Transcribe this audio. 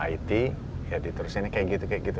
it ya diturusinnya kayak gitu gitu